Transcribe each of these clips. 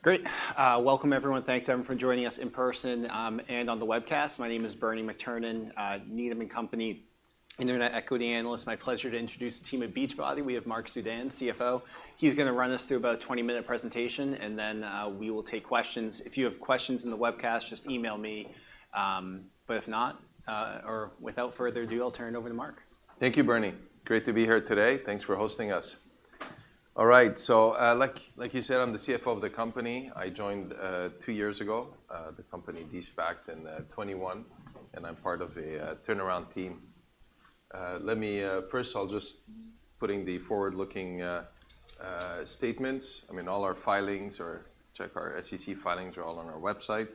Great. Welcome, everyone. Thanks, everyone, for joining us in person and on the webcast. My name is Bernie McTernan, Needham and Company, internet equity analyst. My pleasure to introduce the team at Beachbody. We have Marc Suidan, CFO. He's gonna run us through about a 20-minute presentation, and then we will take questions. If you have questions in the webcast, just email me. But if not, or without further ado, I'll turn it over to Marc. Thank you, Bernie. Great to be here today. Thanks for hosting us. All right, so, like, like you said, I'm the CFO of the company. I joined two years ago, the company de-SPACed in 2021, and I'm part of a turnaround team. Let me... First of all, just putting the forward-looking statements. I mean, all our filings are, check our SEC filings are all on our website.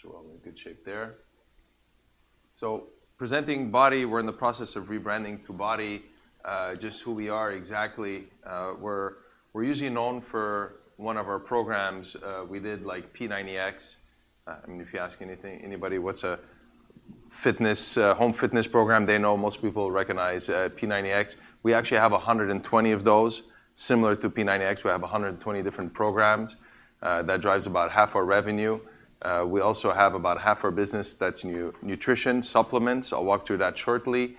So we're all in good shape there. So presenting BODi, we're in the process of rebranding to BODi, just who we are exactly. We're, we're usually known for one of our programs. We did, like, P90X. I mean, if you ask anything, anybody what's a fitness home fitness program, they know most people recognize P90X. We actually have 120 of those. Similar to P90X, we have 120 different programs. That drives about half our revenue. We also have about half our business that's nutrition supplements. I'll walk through that shortly.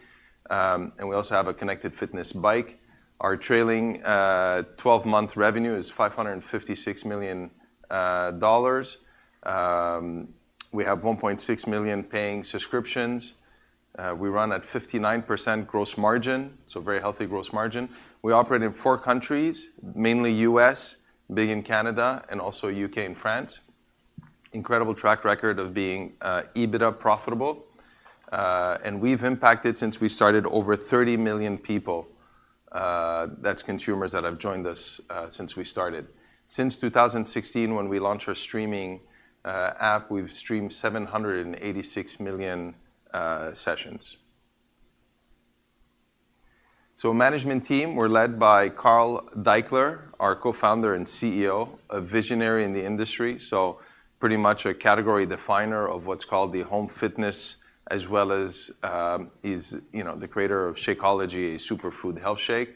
And we also have a connected fitness bike. Our trailing twelve-month revenue is $556 million. We have 1.6 million paying subscriptions. We run at 59% gross margin, so very healthy gross margin. We operate in four countries, mainly U.S., big in Canada, and also U.K. and France. Incredible track record of being EBITDA profitable. And we've impacted, since we started, over 30 million people. That's consumers that have joined us, since we started. Since 2016, when we launched our streaming app, we've streamed 786 million sessions. So management team, we're led by Carl Daikeler, our co-founder and CEO, a visionary in the industry. So pretty much a category definer of what's called the home fitness, as well as, he's, you know, the creator of Shakeology superfood health shake.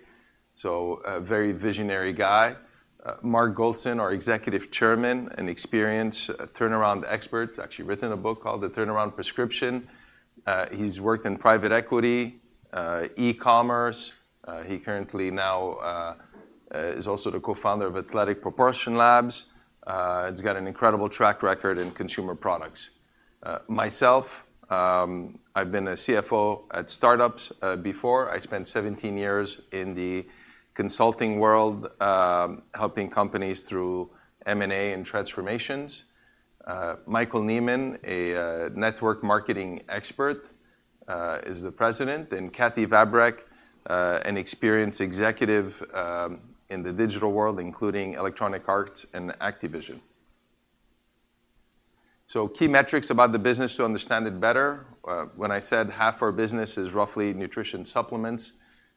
So a very visionary guy. Mark Goldston, our executive chairman, an experienced turnaround expert, actually written a book called The Turnaround Prescription. He's worked in private equity, e-commerce. He currently now is also the co-founder of Athletic Propulsion Labs. He's got an incredible track record in consumer products. Myself, I've been a CFO at startups, before. I spent 17 years in the consulting world, helping companies through M&A and transformations. Michael Neimand, a network marketing expert, is the president, and Kathy Vrabeck, an experienced executive in the digital world, including Electronic Arts and Activision. So key metrics about the business to understand it better. When I said half our business is roughly nutrition supplements,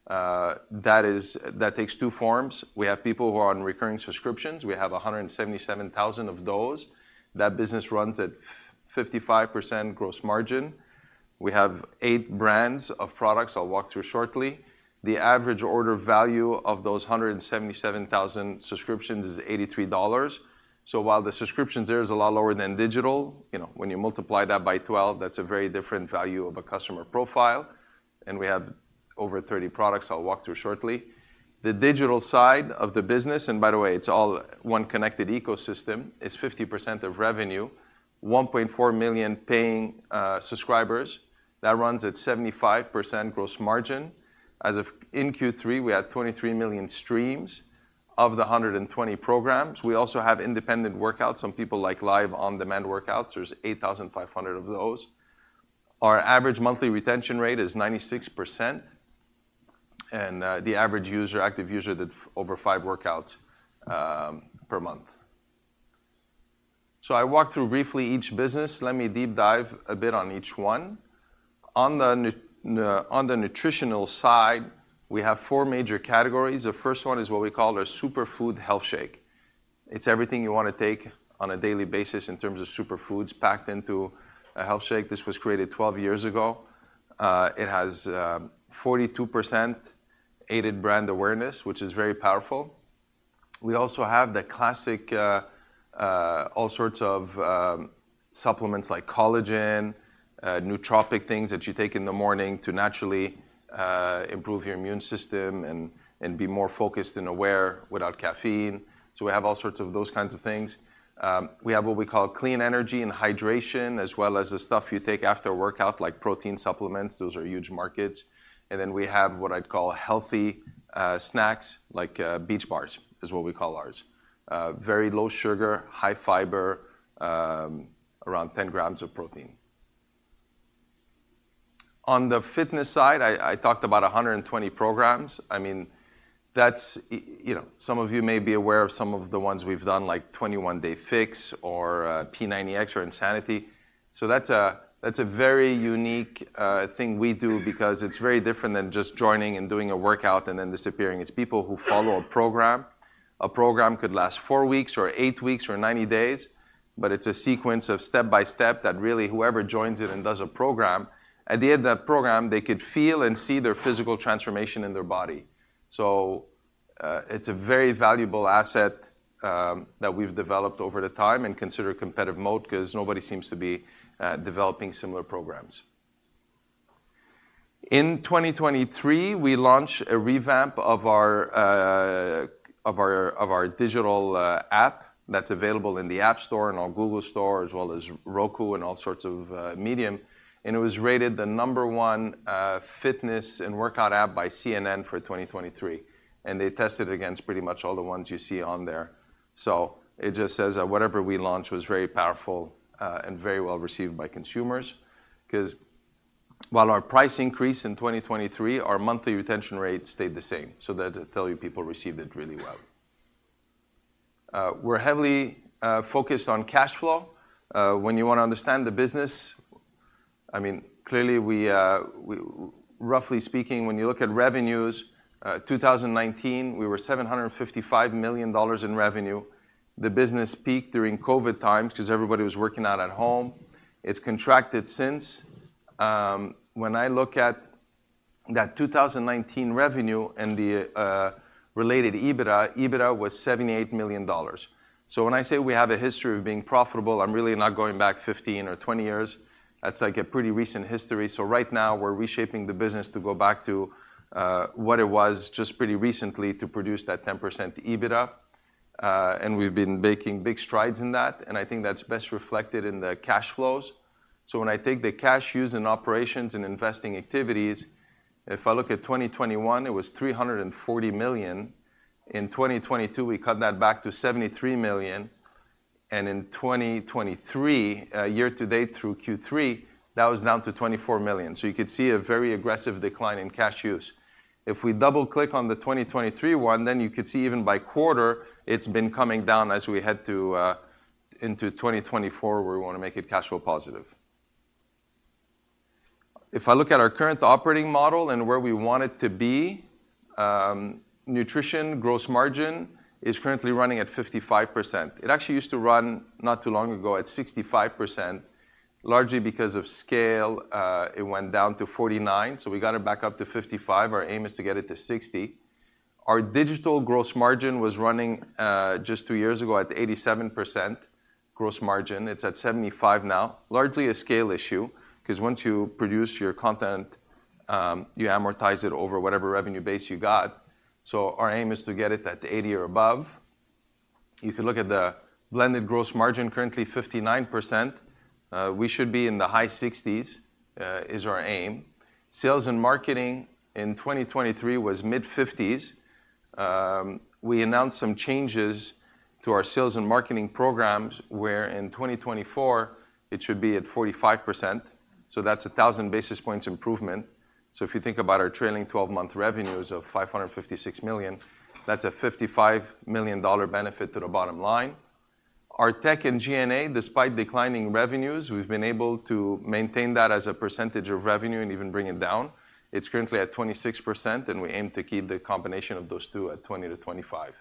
that is- that takes two forms. We have people who are on recurring subscriptions. We have 177,000 of those. That business runs at 55% gross margin. We have eight brands of products I'll walk through shortly. The average order value of those 177,000 subscriptions is $83. So while the subscriptions there is a lot lower than digital, you know, when you multiply that by 12, that's a very different value of a customer profile, and we have over 30 products I'll walk through shortly. The digital side of the business, and by the way, it's all one connected ecosystem, is 50% of revenue, 1.4 million paying subscribers. That runs at 75% gross margin. As of... In Q3, we had 23 million streams of the 120 programs. We also have independent workouts. Some people like live on-demand workouts. There's 8,500 of those. Our average monthly retention rate is 96%, and the average user, active user, did over five workouts per month. So I walked through briefly each business. Let me deep dive a bit on each one. On the nutritional side, we have four major categories. The first one is what we call our superfood health shake. It's everything you want to take on a daily basis in terms of superfoods packed into a health shake. This was created 12 years ago. It has 42% aided brand awareness, which is very powerful. We also have the classic all sorts of supplements like collagen nootropic things that you take in the morning to naturally improve your immune system and be more focused and aware without caffeine. So we have all sorts of those kinds of things. We have what we call clean energy and hydration, as well as the stuff you take after a workout, like protein supplements. Those are huge markets. And then we have what I'd call healthy snacks, like Beach Bars, is what we call ours. Very low sugar, high fiber, around 10 grams of protein. On the fitness side, I talked about 120 programs. I mean, that's... You know, some of you may be aware of some of the ones we've done, like 21 Day Fix or P90X or Insanity. So that's a very unique thing we do because it's very different than just joining and doing a workout and then disappearing. It's people who follow a program. A program could last four weeks or eight weeks or 90 days, but it's a sequence of step-by-step that really whoever joins it and does a program, at the end of that program, they could feel and see their physical transformation in their body. So it's a very valuable asset that we've developed over the time and consider a competitive mode, 'cause nobody seems to be developing similar programs. In 2023, we launched a revamp of our digital app. That's available in the App Store and on Google Store, as well as Roku and all sorts of media, and it was rated the number one fitness and workout app by CNN for 2023. And they tested against pretty much all the ones you see on there. So it just says that whatever we launched was very powerful and very well-received by consumers. 'Cause while our price increased in 2023, our monthly retention rate stayed the same, so that tell you people received it really well. We're heavily focused on cash flow. When you wanna understand the business, I mean, clearly, we roughly speaking, when you look at revenues, 2019, we were $755 million in revenue. The business peaked during COVID times 'cause everybody was working out at home. It's contracted since. When I look at that 2019 revenue and the related EBITDA, EBITDA was $78 million. So when I say we have a history of being profitable, I'm really not going back 15 or 20 years. That's like a pretty recent history. So right now, we're reshaping the business to go back to what it was just pretty recently to produce that 10% EBITDA, and we've been making big strides in that, and I think that's best reflected in the cash flows. So when I take the cash used in operations and investing activities, if I look at 2021, it was 340 million. In 2022, we cut that back to 73 million, and in 2023, year to date through Q3, that was down to 24 million. So you could see a very aggressive decline in cash use. If we double-click on the 2023 one, then you could see even by quarter, it's been coming down as we head to, into 2024, where we wanna make it cash flow positive. If I look at our current operating model and where we want it to be, nutrition gross margin is currently running at 55%. It actually used to run not too long ago at 65%. Largely because of scale, it went down to 49, so we got it back up to 55. Our aim is to get it to 60. Our digital gross margin was running, just two years ago at 87% gross margin. It's at 75 now. Largely a scale issue, 'cause once you produce your content, you amortize it over whatever revenue base you got. So our aim is to get it at 80 or above. You can look at the blended gross margin, currently 59%. We should be in the high 60s is our aim. Sales and marketing in 2023 was mid-50s. We announced some changes to our sales and marketing programs, where in 2024, it should be at 45%, so that's a 1,000 basis points improvement. So if you think about our trailing twelve-month revenues of 556 million, that's a $55 million benefit to the bottom line. Our tech and G&A, despite declining revenues, we've been able to maintain that as a percentage of revenue and even bring it down. It's currently at 26%, and we aim to keep the combination of those two at 20%-25%.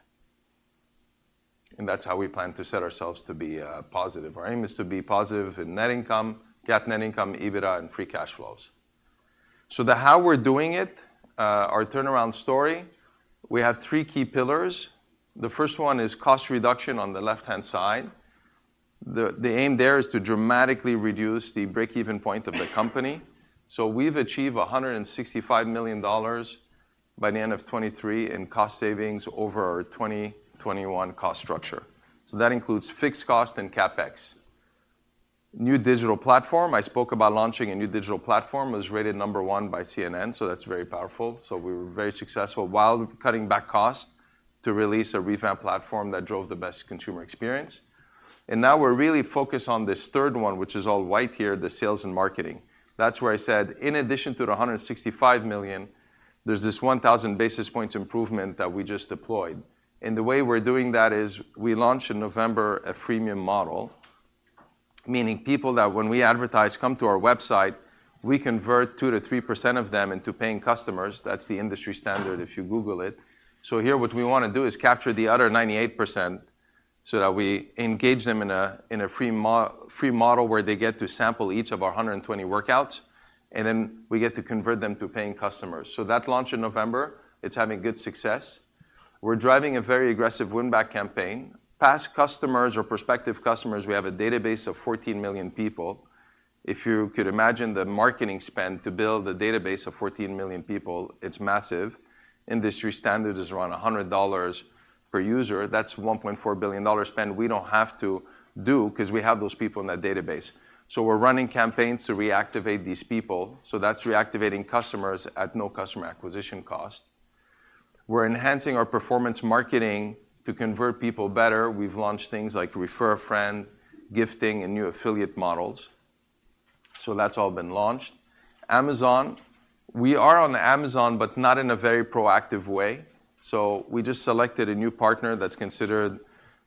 That's how we plan to set ourselves to be positive. Our aim is to be positive in net income, GAAP net income, EBITDA, and free cash flows. So the how we're doing it, our turnaround story, we have three key pillars. The first one is cost reduction on the left-hand side. The aim there is to dramatically reduce the break-even point of the company. So we've achieved 165 million by the end of 2023 in cost savings over our 2021 cost structure. So that includes fixed cost and CapEx. New digital platform. I spoke about launching a new digital platform. It was rated number one by CNN, so that's very powerful. So we were very successful while cutting back costs to release a revamped platform that drove the best consumer experience. And now we're really focused on this third one, which is all white here, the sales and marketing. That's where I said, in addition to the 165 million, there's this 1,000 basis points improvement that we just deployed. The way we're doing that is we launched in November a premium model, meaning people that when we advertise, come to our website, we convert 2%-3% of them into paying customers. That's the industry standard if you Google it. So here, what we wanna do is capture the other 98% so that we engage them in a free model where they get to sample each of our 120 workouts, and then we get to convert them to paying customers. So that launch in November, it's having good success. We're driving a very aggressive win-back campaign. Past customers or prospective customers, we have a database of 14 million people. If you could imagine the marketing spend to build a database of 14 million people, it's massive. Industry standard is around $100 per user. That's $1.4 billion spend we don't have to do 'cause we have those people in that database. So we're running campaigns to reactivate these people, so that's reactivating customers at no customer acquisition cost. We're enhancing our performance marketing to convert people better. We've launched things like refer a friend, gifting, and new affiliate models. So that's all been launched. Amazon, we are on Amazon, but not in a very proactive way. So we just selected a new partner that's considered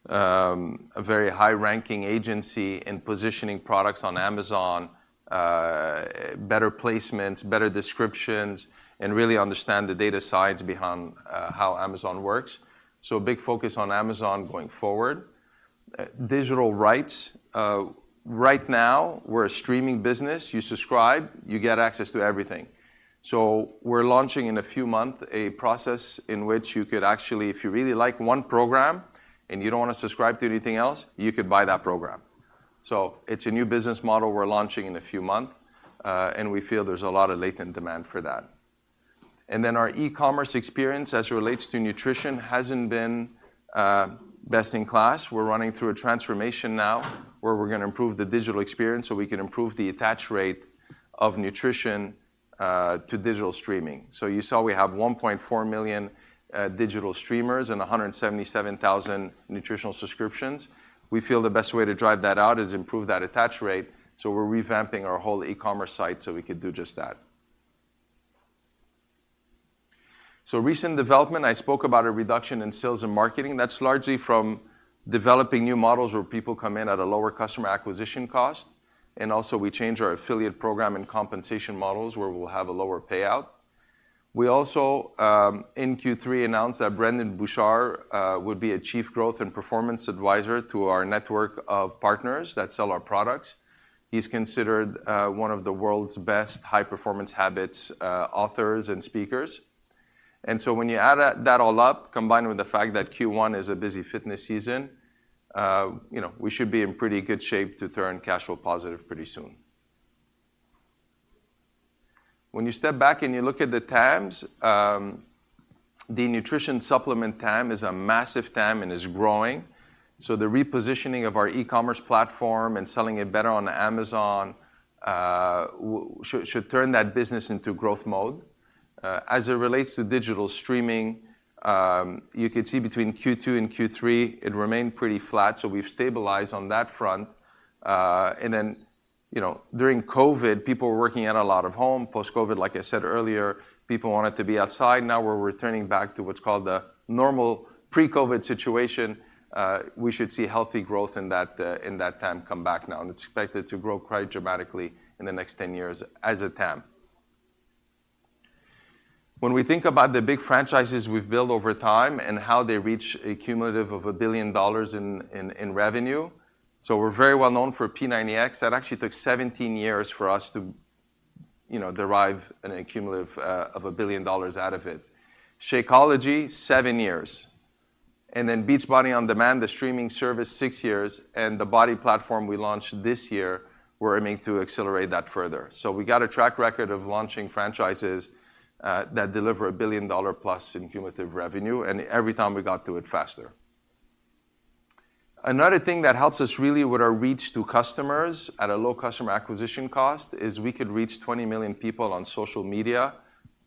a very high-ranking agency in positioning products on Amazon, better placements, better descriptions, and really understand the data science behind how Amazon works. So a big focus on Amazon going forward, digital rights. Right now, we're a streaming business. You subscribe, you get access to everything. So we're launching in a few month, a process in which you could actually, if you really like one program, and you don't want to subscribe to anything else, you could buy that program. So it's a new business model we're launching in a few month, and we feel there's a lot of latent demand for that. And then our e-commerce experience as it relates to nutrition hasn't been best in class. We're running through a transformation now, where we're going to improve the digital experience, so we can improve the attach rate of nutrition to digital streaming. So you saw we have 1.4 million digital streamers and 177,000 nutritional subscriptions. We feel the best way to drive that out is improve that attach rate, so we're revamping our whole e-commerce site, so we could do just that. So recent development, I spoke about a reduction in sales and marketing. That's largely from developing new models, where people come in at a lower customer acquisition cost. And also, we changed our affiliate program and compensation models, where we'll have a lower payout. We also, in Q3, announced that Brendon Burchard would be a chief growth and performance advisor to our network of partners that sell our products. He's considered one of the world's best high-performance habits authors and speakers. And so when you add that, that all up, combined with the fact that Q1 is a busy fitness season, you know, we should be in pretty good shape to turn cash flow positive pretty soon. When you step back and you look at the TAMs, the nutrition supplement TAM is a massive TAM and is growing. So the repositioning of our e-commerce platform and selling it better on Amazon, should turn that business into growth mode. As it relates to digital streaming, you could see between Q2 and Q3, it remained pretty flat, so we've stabilized on that front. And then, you know, during COVID, people were working at a lot of home. Post-COVID, like I said earlier, people wanted to be outside. Now, we're returning back to what's called the normal pre-COVID situation. We should see healthy growth in that, in that TAM come back now, and it's expected to grow quite dramatically in the next 10 years as a TAM. When we think about the big franchises we've built over time and how they reach a cumulative of $1 billion in revenue, so we're very well known for P90X. That actually took 17 years for us to, you know, derive an accumulative of $1 billion out of it. Shakeology, seven years. And then Beachbody On Demand, the streaming service, six years, and the BODi platform we launched this year, we're aiming to accelerate that further. So we got a track record of launching franchises that deliver a billion-dollar plus in cumulative revenue, and every time, we got through it faster. Another thing that helps us really with our reach to customers at a low customer acquisition cost is we could reach 20 million people on social media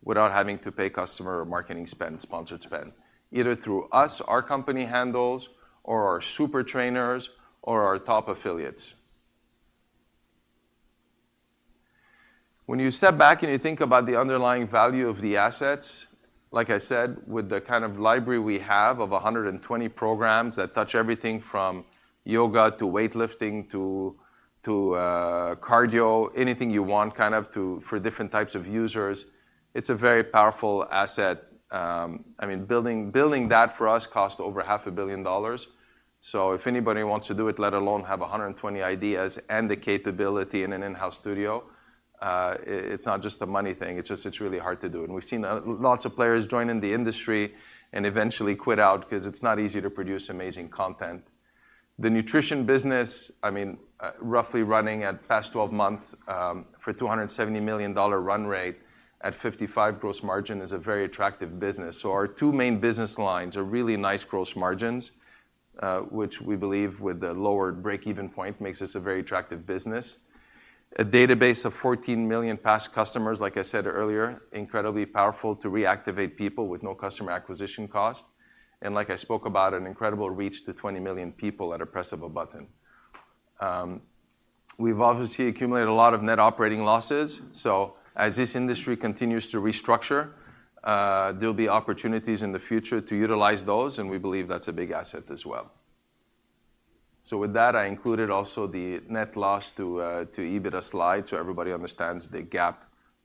without having to pay customer or marketing spend, sponsored spend, either through us, our company handles, or our super trainers, or our top affiliates. When you step back and you think about the underlying value of the assets, like I said, with the kind of library we have of 120 programs that touch everything from yoga to weightlifting to cardio, anything you want, kind of, for different types of users, it's a very powerful asset. I mean, building that for us cost over $500 million. So if anybody wants to do it, let alone have 120 ideas and the capability in an in-house studio, it's not just a money thing, it's just, it's really hard to do. And we've seen lots of players join in the industry and eventually quit out 'cause it's not easy to produce amazing content. The nutrition business, I mean, roughly running at the past 12-month $270 million run rate at 55% gross margin is a very attractive business. So our two main business lines are really nice gross margins, which we believe, with the lower break-even point, makes this a very attractive business. A database of 14 million past customers, like I said earlier, incredibly powerful to reactivate people with no customer acquisition cost. Like I spoke about, an incredible reach to 20 million people at a press of a button. We've obviously accumulated a lot of net operating losses, so as this industry continues to restructure, there'll be opportunities in the future to utilize those, and we believe that's a big asset as well. So with that, I included also the net loss to EBITDA slide, so everybody understands the GAAP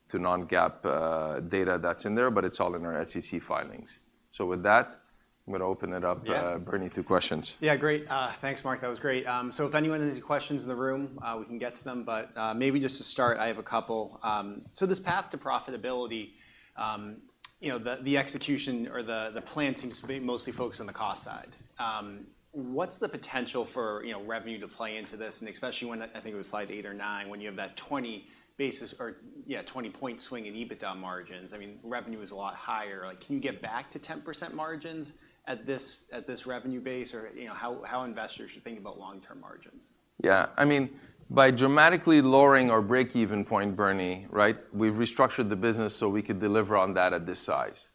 to non-GAAP data that's in there, but it's all in our SEC filings. So with that, I'm going to open it up- Yeah. Bernie, to questions. Yeah, great. Thanks, Marc. That was great. So if anyone has any questions in the room, we can get to them, but maybe just to start, I have a couple. So this path to profitability, you know, the execution or the plan seems to be mostly focused on the cost side. What's the potential for, you know, revenue to play into this? And especially when, I think it was slide eight or nine, when you have that 20 basis or, yeah, 20-point swing in EBITDA margins, I mean, revenue is a lot higher. Like, can you get back to 10% margins at this, at this revenue base? Or, you know, how investors should think about long-term margins. Yeah. I mean, by dramatically lowering our break-even point, Bernie, right? We've restructured the business so we could deliver on that at this size.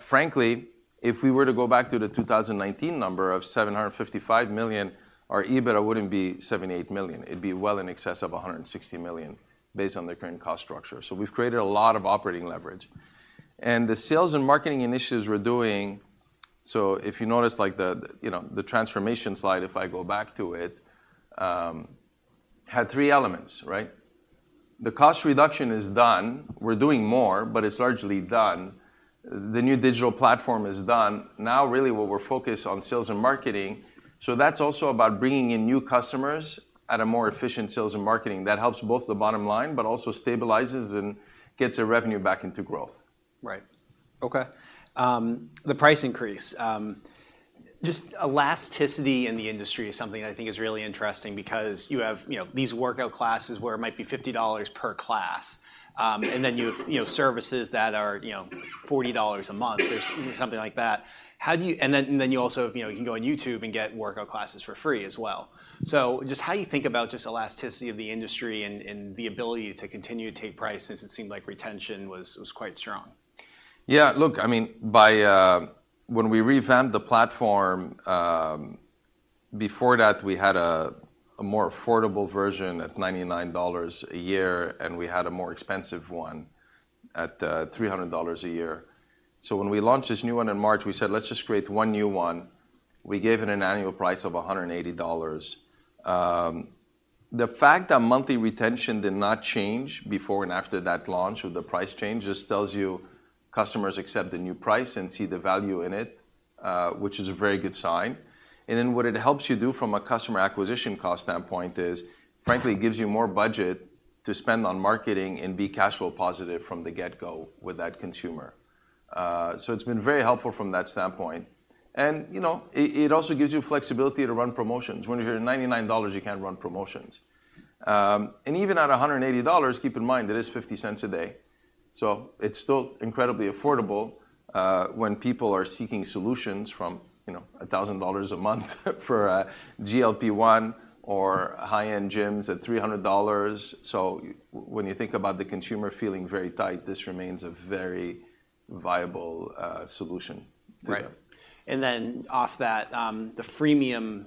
Frankly, if we were to go back to the 2019 number of 755 million, our EBITDA wouldn't be 78 million. It'd be well in excess of 160 million, based on the current cost structure. So we've created a lot of operating leverage. And the sales and marketing initiatives we're doing... So if you notice, like, the, you know, the transformation slide, if I go back to it, had three elements, right?... The cost reduction is done. We're doing more, but it's largely done. The new digital platform is done. Now, really what we're focused on sales and marketing, so that's also about bringing in new customers at a more efficient sales and marketing. That helps both the bottom line, but also stabilizes and gets the revenue back into growth. Right. Okay. The price increase, just elasticity in the industry is something I think is really interesting because you have, you know, these workout classes where it might be $50 per class. And then you have, you know, services that are, you know, $40 a month or something like that. How do you- And then, and then you also, you know, you can go on YouTube and get workout classes for free as well. So just how you think about just elasticity of the industry and, and the ability to continue to take prices, it seemed like retention was, was quite strong. Yeah, look, I mean, when we revamped the platform, before that, we had a more affordable version at $99 a year, and we had a more expensive one at $300 a year. So when we launched this new one in March, we said: "Let's just create one new one." We gave it an annual price of $180. The fact that monthly retention did not change before and after that launch of the price change just tells you customers accept the new price and see the value in it, which is a very good sign. And then what it helps you do from a customer acquisition cost standpoint is, frankly, it gives you more budget to spend on marketing and be cash flow positive from the get-go with that consumer. So it's been very helpful from that standpoint. And, you know, it, it also gives you flexibility to run promotions. When you're at $99, you can't run promotions. And even at $180, keep in mind, it is 50 cents a day, so it's still incredibly affordable, when people are seeking solutions from, you know, $1,000 a month for a GLP-1 or high-end gyms at $300. So when you think about the consumer feeling very tight, this remains a very viable solution to them. Right. And then off that, the freemium,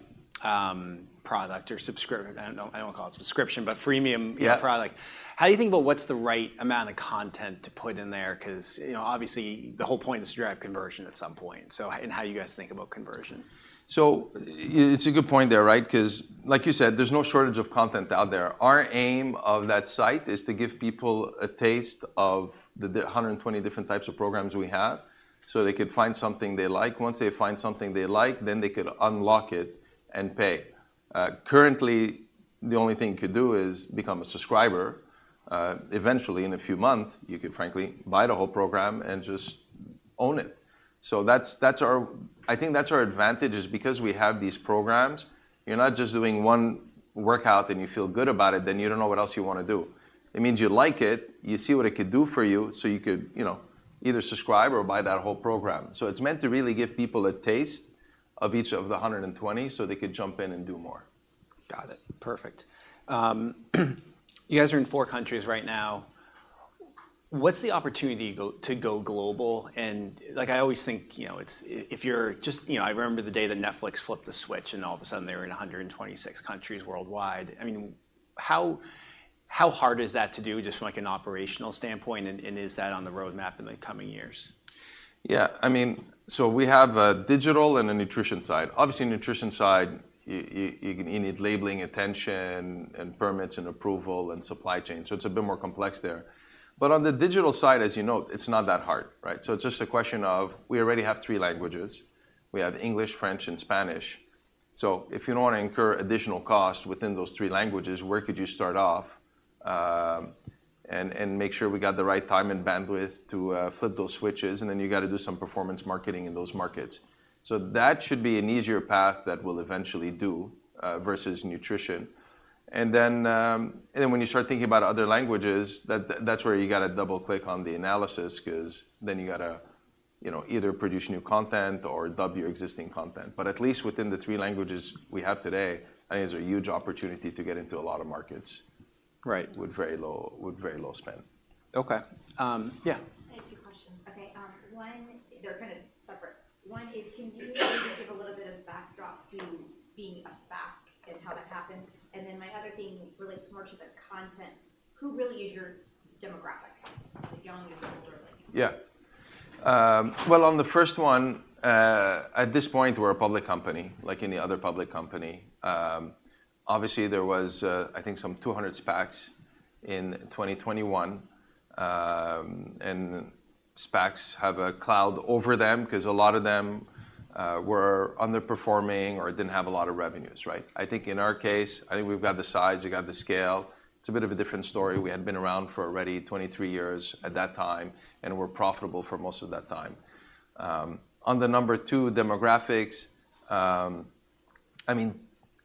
product or subscription. I don't, I won't call it subscription, but freemium- Yeah... product. How do you think about what's the right amount of content to put in there? 'Cause, you know, obviously, the whole point is to drive conversion at some point. So, and how you guys think about conversion? So it's a good point there, right? 'Cause like you said, there's no shortage of content out there. Our aim of that site is to give people a taste of the 120 different types of programs we have, so they could find something they like. Once they find something they like, then they could unlock it and pay. Currently, the only thing you could do is become a subscriber. Eventually, in a few months, you could frankly buy the whole program and just own it. So that's our—I think that's our advantage, is because we have these programs, you're not just doing one workout, then you feel good about it, then you don't know what else you want to do. It means you like it, you see what it could do for you, so you could, you know, either subscribe or buy that whole program. So it's meant to really give people a taste of each of the 120, so they could jump in and do more. Got it. Perfect. You guys are in four countries right now. What's the opportunity to go global? And like, I always think, you know, if you're just, you know... I remember the day that Netflix flipped the switch, and all of a sudden, they were in 126 countries worldwide. I mean, how hard is that to do, just from, like, an operational standpoint, and is that on the roadmap in the coming years? Yeah, I mean, so we have a digital and a nutrition side. Obviously, nutrition side, you need labeling, attention, and permits, and approval, and supply chain, so it's a bit more complex there. But on the digital side, as you know, it's not that hard, right? So it's just a question of, we already have three languages. We have English, French, and Spanish. So if you don't want to incur additional cost within those three languages, where could you start off, and make sure we got the right time and bandwidth to flip those switches? And then you got to do some performance marketing in those markets. So that should be an easier path that we'll eventually do, versus nutrition. And then, and then when you start thinking about other languages, that, that's where you got to double-click on the analysis, 'cause then you got to, you know, either produce new content or dub your existing content. But at least within the three languages we have today, I think there's a huge opportunity to get into a lot of markets- Right... with very low spend. Okay. Yeah. I have two questions. Okay, one, they're kind of separate. One is, can you give a little bit of backdrop to being a SPAC and how that happened? And then my other thing relates more to the content. Who really is your demographic, the young or the older, like? Yeah. Well, on the first one, at this point, we're a public company, like any other public company. Obviously, there was, I think some 200 SPACs in 2021. And SPACs have a cloud over them 'cause a lot of them were underperforming or didn't have a lot of revenues, right? I think in our case, I think we've got the size, we got the scale. It's a bit of a different story. We had been around for already 23 years at that time, and we're profitable for most of that time. On the number two, demographics, I mean,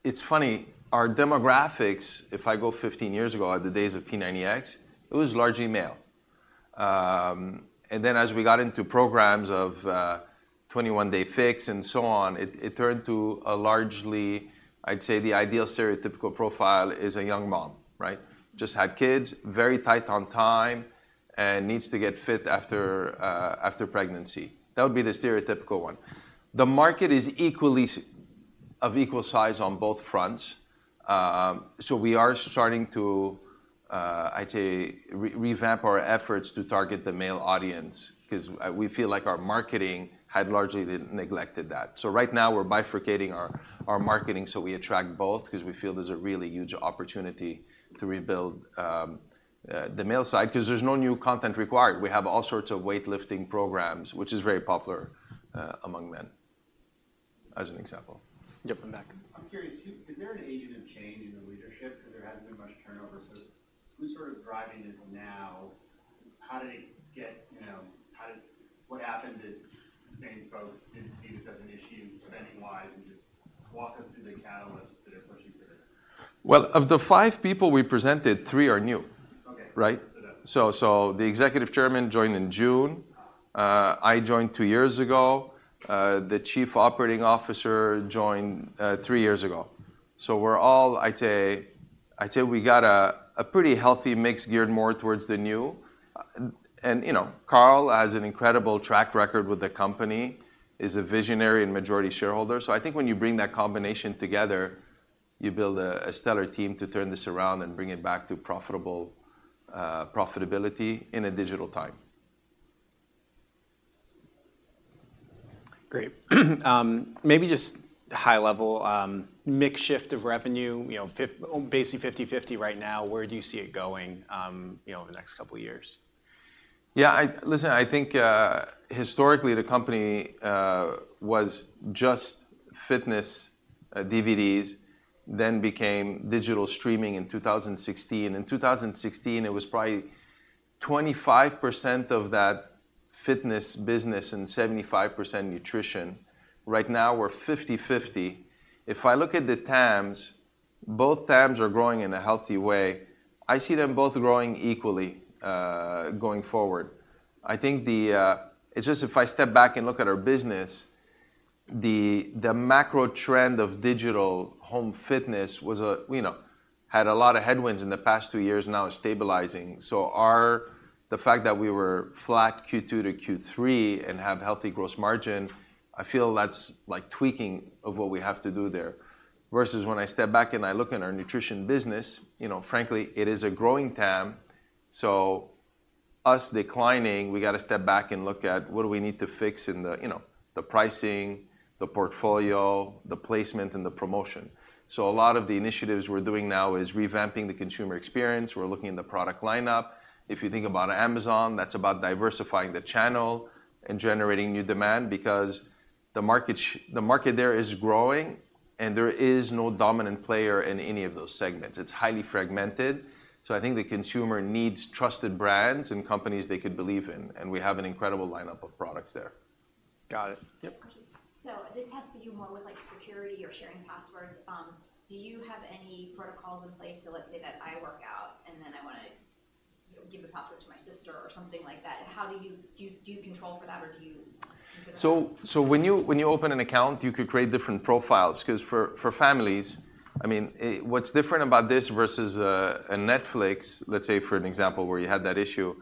it's funny, our demographics, if I go 15 years ago, at the days of P90X, it was largely male. And then, as we got into programs of 21 Day Fix, and so on, it turned to a largely, I'd say, the ideal stereotypical profile is a young mom, right? Just had kids, very tight on time, and needs to get fit after after pregnancy. That would be the stereotypical one. The market is equally of equal size on both fronts. So we are starting to, I'd say, revamp our efforts to target the male audience, 'cause we feel like our marketing had largely neglected that. So right now, we're bifurcating our marketing, so we attract both, 'cause we feel there's a really huge opportunity to rebuild the male side, 'cause there's no new content required. We have all sorts of weightlifting programs, which is very popular among men, as an example. Yep, in the back. I'm curious, who is there an agent of change in the leadership? Because there hasn't been much turnover, so who's sort of driving this now? How did it get, you know, what happened that the same folks didn't see this as an issue spending-wise, and just walk us through the catalyst that are pushing this? Well, of the five people we presented, three are new. Okay. Right? So that- So, the Executive Chairman joined in June. Ah. I joined two years ago. The Chief Operating Officer joined three years ago. So we're all, I'd say... I'd say we got a pretty healthy mix geared more towards the new. And, you know, Carl has an incredible track record with the company, is a visionary and majority shareholder. So I think when you bring that combination together, you build a stellar team to turn this around and bring it back to profitable profitability in a digital time. Great. Maybe just high level, mix shift of revenue, you know, basically 50/50 right now, where do you see it going, you know, in the next couple of years? Yeah, listen, I think, historically, the company was just fitness DVDs, then became digital streaming in 2016. In 2016, it was probably 25% of that fitness business and 75% nutrition. Right now, we're 50/50. If I look at the TAMs, both TAMs are growing in a healthy way. I see them both growing equally going forward. I think the... It's just if I step back and look at our business, the macro trend of digital home fitness was a you know had a lot of headwinds in the past two years, now it's stabilizing. So the fact that we were flat Q2 to Q3 and have healthy gross margin, I feel that's like tweaking of what we have to do there. Versus when I step back and I look in our nutrition business, you know, frankly, it is a growing TAM, so us declining, we got to step back and look at what do we need to fix in the, you know, the pricing, the portfolio, the placement, and the promotion. So a lot of the initiatives we're doing now is revamping the consumer experience. We're looking in the product lineup. If you think about Amazon, that's about diversifying the channel and generating new demand because the market there is growing, and there is no dominant player in any of those segments. It's highly fragmented, so I think the consumer needs trusted brands and companies they could believe in, and we have an incredible lineup of products there. Got it. Yep. So this has to do more with, like, security or sharing passwords. Do you have any protocols in place to, let's say, that I work out, and then I want to, you know, give the password to my sister or something like that? How do you control for that or do you consider that? When you open an account, you could create different profiles, 'cause for families, I mean, what's different about this versus a Netflix, let's say, for an example, where you had that issue,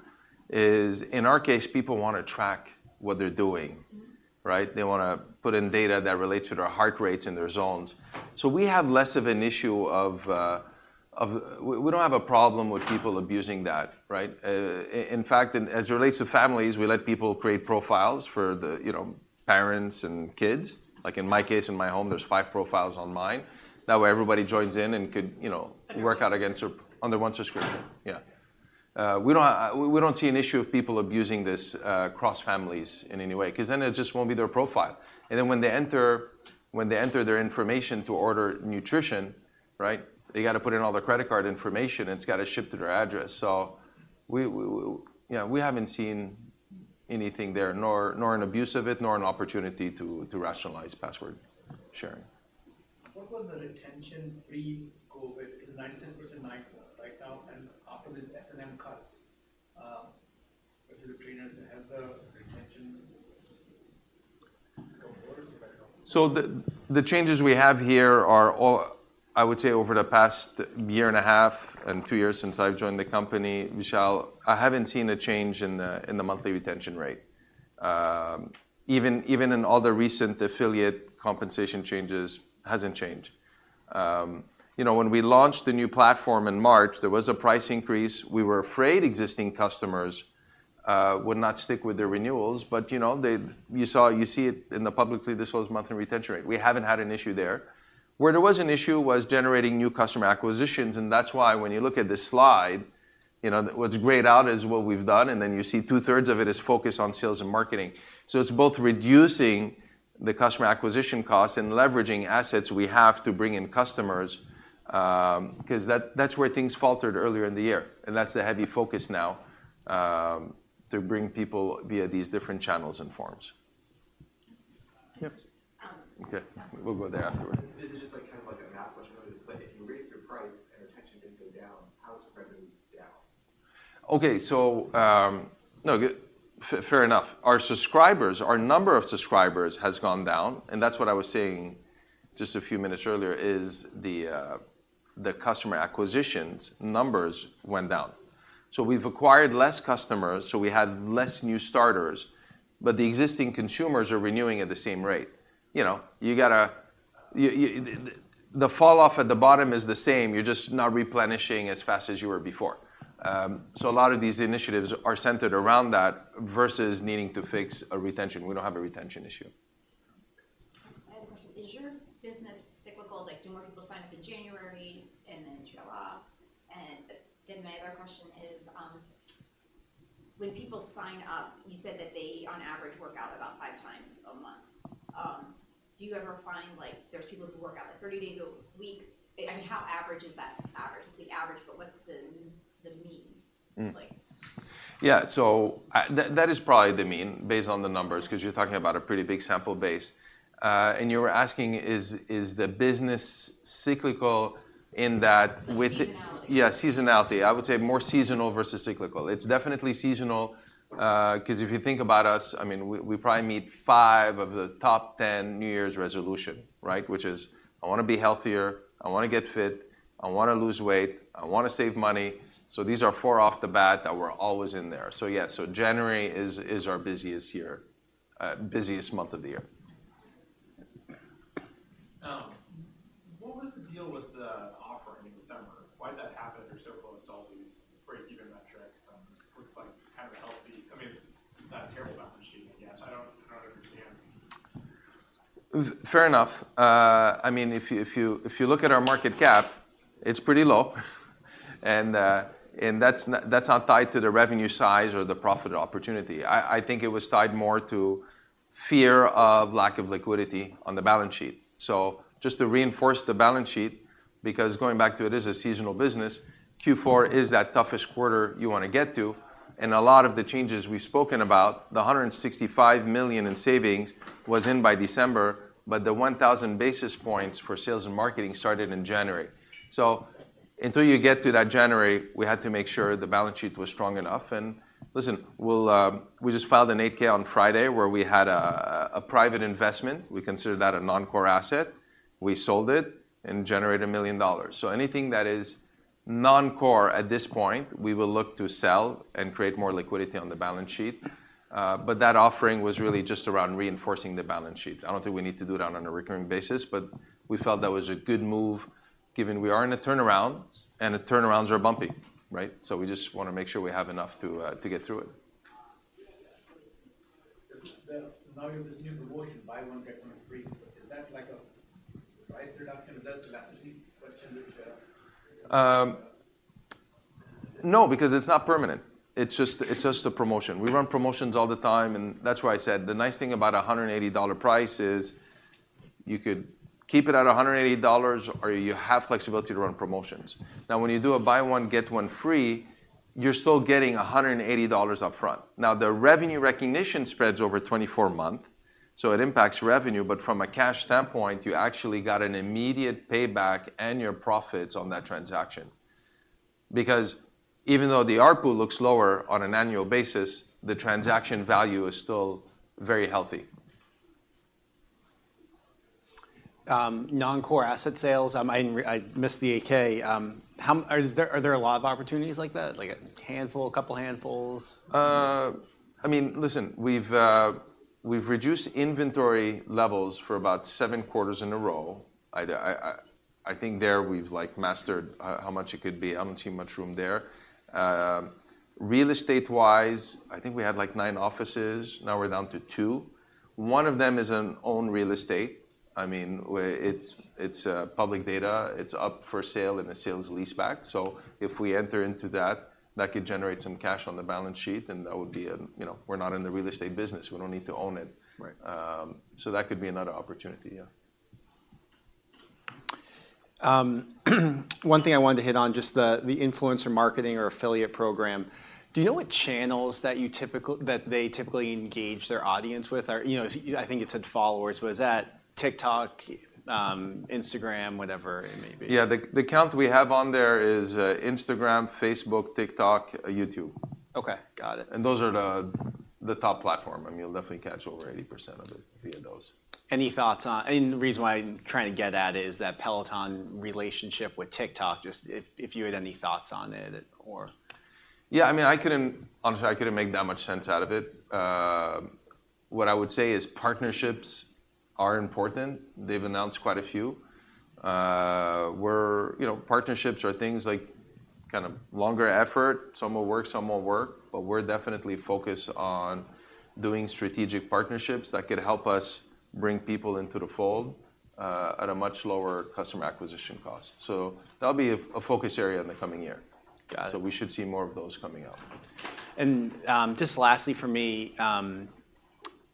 is in our case, people want to track what they're doing. Mm-hmm. Right? They want to put in data that relates to their heart rates and their zones. So we have less of an issue of, we don't have a problem with people abusing that, right? As it relates to families, we let people create profiles for the, you know, parents and kids. Like in my case, in my home, there's five profiles on mine. That way, everybody joins in and could, you know- Okay... work out against or under one subscription. Yeah. We don't see an issue of people abusing this across families in any way, 'cause then it just won't be their profile. And then when they enter their information to order nutrition, right, they got to put in all their credit card information, and it's got to ship to their address. So, you know, we haven't seen anything there, nor an abuse of it, nor an opportunity to rationalize password sharing. What was the retention pre-COVID? It's 97% right now, and after this MLM cuts, with the trainers, have the retention go lower or do you know? So the changes we have here are all—I would say, over the past year and a half and two years since I've joined the company, Michelle, I haven't seen a change in the monthly retention rate. Even in all the recent affiliate compensation changes, hasn't changed. You know, when we launched the new platform in March, there was a price increase. We were afraid existing customers would not stick with the renewals, but you know, you see it in the publicly disclosed monthly retention rate. We haven't had an issue there. Where there was an issue was generating new customer acquisitions, and that's why when you look at this slide, you know, what's grayed out is what we've done, and then you see two-thirds of it is focused on sales and marketing. So it's both reducing the customer acquisition costs and leveraging assets we have to bring in customers, 'cause that, that's where things faltered earlier in the year, and that's the heavy focus now, to bring people via these different channels and forms. Yep. Okay. We'll go there afterward. This is just like, kind of like a math question, but if you raise your price and retention didn't go down, how is revenue down? Okay, so, no, fair enough. Our subscribers, our number of subscribers has gone down, and that's what I was saying just a few minutes earlier, is the, the customer acquisitions numbers went down. So we've acquired less customers, so we had less new starters, but the existing consumers are renewing at the same rate. You know, you gotta the, the fall off at the bottom is the same, you're just not replenishing as fast as you were before. So a lot of these initiatives are centered around that, versus needing to fix a retention. We don't have a retention issue. I had a question: Is your business cyclical? Like, do more people sign up in January and then drop off? And then my other question is, when people sign up, you said that they on average work out about five times a month. Do you ever find, like, there's people who work out, like, 30 days a week? I mean, how average is that average? It's the average, but what's the mean, like? Yeah, so that is probably the mean, based on the numbers, 'cause you're talking about a pretty big sample base. And you were asking is the business cyclical in that with the- The seasonality. Yeah, seasonality. I would say more seasonal versus cyclical. It's definitely seasonal, 'cause if you think about us, I mean, we probably meet five of the top 10 New Year's resolutions, right? Which is, I wanna be healthier, I wanna get fit, I wanna lose weight, I wanna save money. So these are four off the bat that were always in there. So yeah, so January is our busiest month of the year. What was the deal with the offering in December? Why'd that happen after you posted all these break-even metrics? Looks like kind of healthy—I mean, not terrible balance sheet, I guess. I don't, I don't understand. Fair enough. I mean, if you look at our market cap, it's pretty low. And that's not tied to the revenue size or the profit opportunity. I think it was tied more to fear of lack of liquidity on the balance sheet. So just to reinforce the balance sheet, because going back to it is a seasonal business, Q4 is that toughest quarter you wanna get to, and a lot of the changes we've spoken about, the 165 million in savings was in by December, but the 1,000 basis points for sales and marketing started in January. So until you get to that January, we had to make sure the balance sheet was strong enough. And listen, we'll... We just filed an 8-K on Friday, where we had a private investment. We consider that a non-core asset. We sold it and generated $1 million. So anything that is non-core at this point, we will look to sell and create more liquidity on the balance sheet. But that offering was really just around reinforcing the balance sheet. I don't think we need to do that on a recurring basis, but we felt that was a good move, given we are in a turnaround, and the turnarounds are bumpy, right? So we just wanna make sure we have enough to get through it. Now, you have this new promotion, buy one, get one free. So is that like a price reduction? Is that elasticity question which, No, because it's not permanent. It's just, it's just a promotion. We run promotions all the time, and that's why I said the nice thing about a $180 price is you could keep it at $180, or you have flexibility to run promotions. Now, when you do a buy one, get one free, you're still getting $180 upfront. Now, the revenue recognition spreads over 24 months, so it impacts revenue, but from a cash standpoint, you actually got an immediate payback and your profits on that transaction. Because even though the ARPU looks lower on an annual basis, the transaction value is still very healthy. Non-core asset sales, I missed the 8-K. Are there a lot of opportunities like that? Like a handful, a couple handfuls? I mean, listen, we've reduced inventory levels for about seven quarters in a row. I think there we've like mastered how much it could be. Real estate-wise, I think we had like nine offices, now we're down to two. One of them is an owned real estate. I mean, it's public data. It's up for sale in a sale-leaseback. So if we enter into that, that could generate some cash on the balance sheet, and that would be a... You know, we're not in the real estate business, we don't need to own it. Right. So that could be another opportunity, yeah. One thing I wanted to hit on, just the, the influencer marketing or affiliate program: Do you know what channels that they typically engage their audience with? Or, you know, I think you said followers. Was that TikTok, Instagram, whatever it may be? Yeah, the account we have on there is Instagram, Facebook, TikTok, YouTube. Okay, got it. Those are the top platform. I mean, you'll definitely catch over 80% of it via those. Any thoughts on—and the reason why I'm trying to get at it is that Peloton relationship with TikTok, just if you had any thoughts on it or... Yeah, I mean, I couldn't... Honestly, I couldn't make that much sense out of it. What I would say is partnerships are important. They've announced quite a few. We're, you know, partnerships are things like kind of longer effort. Some will work, some won't work, but we're definitely focused on doing strategic partnerships that could help us bring people into the fold, at a much lower customer acquisition cost. So that'll be a focus area in the coming year. Got it. So we should see more of those coming out. Just lastly from me,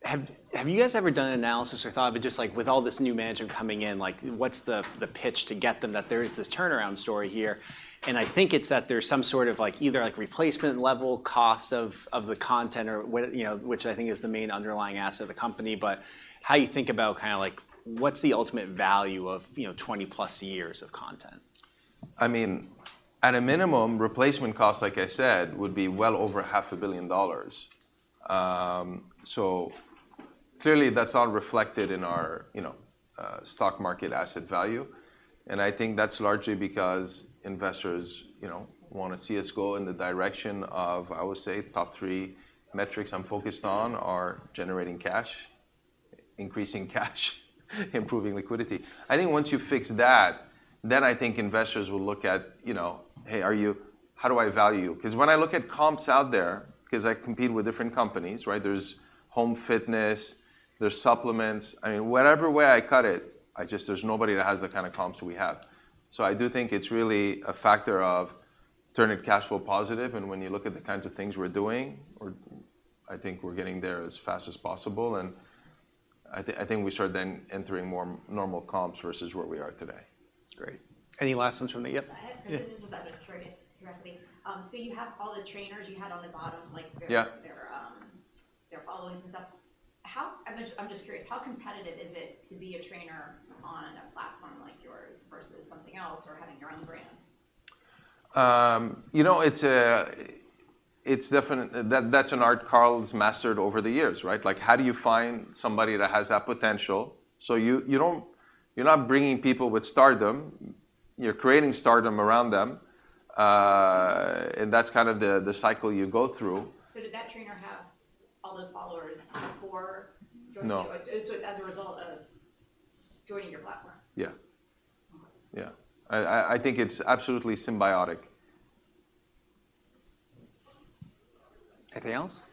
have you guys ever done analysis or thought about just, like, with all this new management coming in, like, what's the pitch to get them that there is this turnaround story here? I think it's that there's some sort of, like, either, like, replacement level cost of the content or what... You know, which I think is the main underlying asset of the company, but how you think about kind of like, what's the ultimate value of, you know, 20+ years of content? I mean, at a minimum, replacement cost, like I said, would be well over $500 million. Clearly, that's all reflected in our, you know, stock market asset value, and I think that's largely because investors, you know, wanna see us go in the direction of, I would say, top three metrics I'm focused on are generating cash, increasing cash, improving liquidity. I think once you fix that, then I think investors will look at, you know, "Hey, are you- how do I value you?" 'Cause when I look at comps out there, 'cause I compete with different companies, right? There's home fitness, there's supplements. I mean, whatever way I cut it, I just- there's nobody that has the kind of comps we have. So I do think it's really a factor of turning cash flow positive, and when you look at the kinds of things we're doing, or I think we're getting there as fast as possible, and I think we start then entering more normal comps versus where we are today. That's great. Any last ones from me? Yep. I have- Yes. This is just out of curiosity. So you have all the trainers you had on the bottom, like- Yeah... their, their followings and stuff. How... I'm just, I'm just curious, how competitive is it to be a trainer on a platform like yours versus something else or having your own brand? You know, it's definitely that that's an art Carl's mastered over the years, right? Like, how do you find somebody that has that potential? So you're not bringing people with stardom, you're creating stardom around them. And that's kind of the cycle you go through. So did that trainer have all those followers, before- No... joining you? So it's, so it's as a result of joining your platform? Yeah. Okay. Yeah. I think it's absolutely symbiotic. Anything else?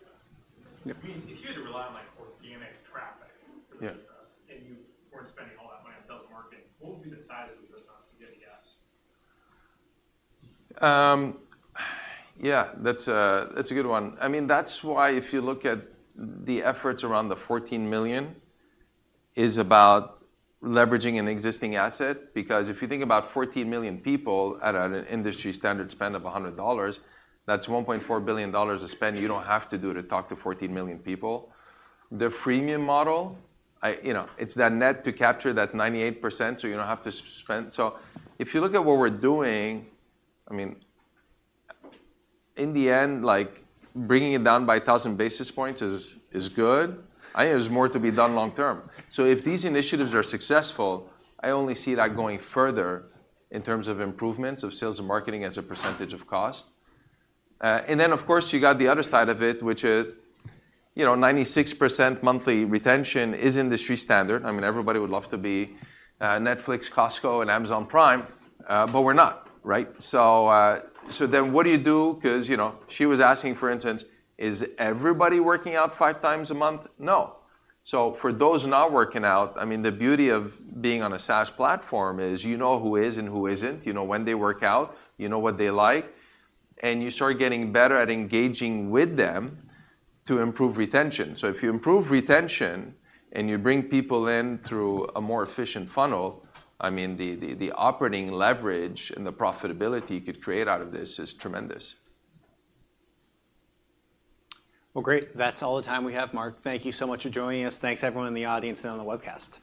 Yep. I mean, if you had to rely on, like, organic traffic- Yeah... for business, and you weren't spending all that money on sales and marketing, what would be the size of the business, a good guess? Yeah, that's a good one. I mean, that's why if you look at the efforts around the 14 million, is about leveraging an existing asset. Because if you think about 14 million people at an industry standard spend of $100, that's $1.4 billion of spend you don't have to do to talk to 14 million people. The freemium model, you know, it's that net to capture that 98%, so you don't have to spend. So if you look at what we're doing, I mean, in the end, like, bringing it down by 1,000 basis points is good. I think there's more to be done long-term. So if these initiatives are successful, I only see that going further in terms of improvements of sales and marketing as a percentage of cost. And then, of course, you got the other side of it, which is, you know, 96% monthly retention is industry standard. I mean, everybody would love to be Netflix, Costco, and Amazon Prime, but we're not, right? So, then what do you do? 'Cause, you know, she was asking, for instance, "Is everybody working out five times a month?" No. So for those not working out, I mean, the beauty of being on a SaaS platform is you know who is and who isn't. You know when they work out, you know what they like, and you start getting better at engaging with them to improve retention. So if you improve retention and you bring people in through a more efficient funnel, I mean, the operating leverage and the profitability you could create out of this is tremendous. Well, great. That's all the time we have, Mark. Thank you so much for joining us. Thanks, everyone in the audience and on the webcast.